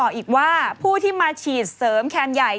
คุณอยากเล็กหรือยากใหญ่